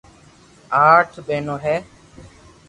آٺ ٻينو ھي